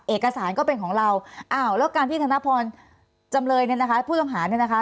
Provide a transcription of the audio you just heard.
เอกสารก็เป็นของเราอ้าวแล้วการที่ธนพรจำเลยเนี่ยนะคะผู้ต้องหาเนี่ยนะคะ